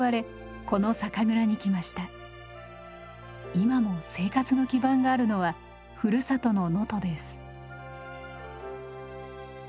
今も生活の基盤があるのはふるさとの能登です。